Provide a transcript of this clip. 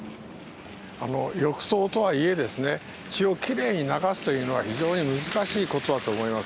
浴槽とはいえ、血をきれいに流すというのは、非常に難しいことだと思います。